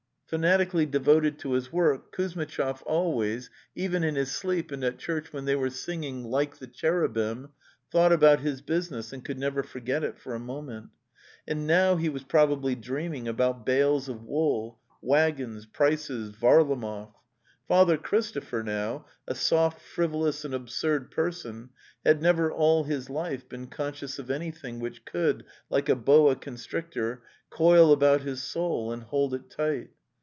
Fanat 178 The Tales of Chekhov ically devoted to his work, Kuzmitchov always, even in his sleep and at church when they were singing, '* Like the cherubim," thought about his business and could never forget it for a moment; and now he was probably dreaming about bales of wool, wag gons, prices, Varlamov. ... Father Christopher, now, a soft, frivolous and absurd person, had never all his life been conscious of anything which could, like a boa constrictor, coil about his soul and hold it tight.